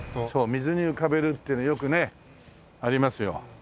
水に浮かべるってよくねありますよ。